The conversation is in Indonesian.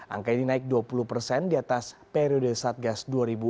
angka ini naik dua puluh persen di atas periode satgas dua ribu dua puluh